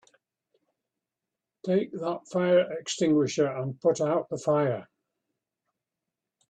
Take that fire extinguisher and put out the fire!